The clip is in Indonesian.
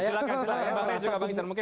silahkan silahkan mungkin bang rey